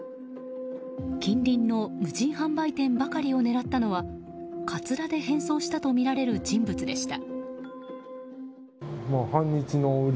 近隣の無人販売店ばかりを狙ったのはかつらで変装したとみられる人物でした。